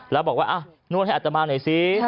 แล้วบอกว่านวดให้อัตมาหน่อยสิ